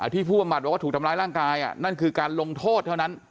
ผู้บำบัดบอกว่าถูกทำร้ายร่างกายนั่นคือการลงโทษเท่านั้น